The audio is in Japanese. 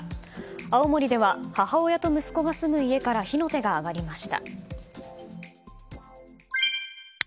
青森では母親と息子が住む家から火の手が上がりました。